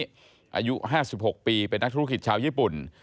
อายุ๕๖ปีเป็นนักธุรกิจชาวญี่ปุ่น